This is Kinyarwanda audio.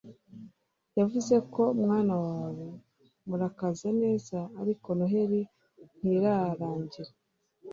yavuze ko mwana wawe murakaza neza, ariko noheri ntirarangira